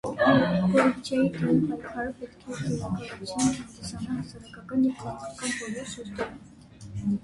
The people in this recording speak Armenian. Կոռուպցիայի դեմ պայքարը պետք է գերակայություն հանդիսանա հասարակական և քաղաքական բոլոր շերտերում։